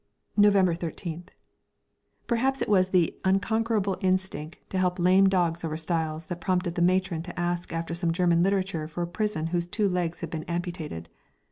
November 13th. Perhaps it was the unconquerable instinct to help lame dogs over stiles that prompted the Matron to ask after some German literature for a prisoner whose two legs had been amputated.